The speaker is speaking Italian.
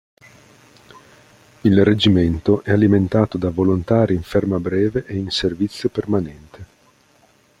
Il reggimento è alimentato da volontari in ferma breve e in servizio permanente.